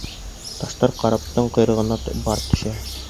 Таштар караптың ҡойроғона барып төшә.